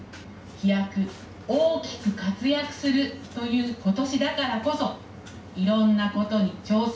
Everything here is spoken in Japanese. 飛躍、大きく活躍するということしだからこそいろんなことに挑戦